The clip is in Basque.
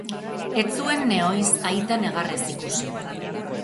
Ez zuen nehoiz aita negarrez ikusi.